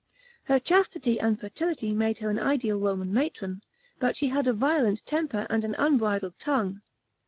Her chastity and fertility made her an ideal Roman matron, but she had a violent temper and an unbridled tongue.